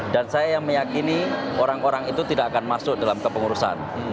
dan saya yang meyakini orang orang itu tidak akan masuk dalam kepengurusan